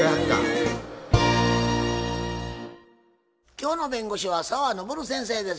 今日の弁護士は澤登先生です。